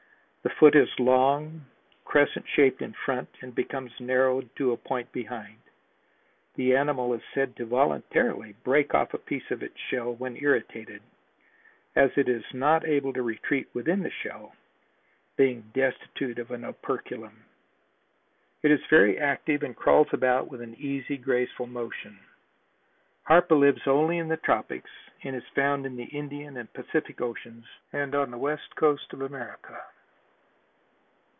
The foot is long, crescent shaped in front and becomes narrowed to a point behind. The animal is said to voluntarily break off a piece of its shell when irritated, as it is not able to retreat within the shell, being destitute of an operculum. It is very active and crawls about with an easy, graceful motion. Harpa lives only in the tropics and is found in the Indian and Pacific Oceans and on the west coast of America.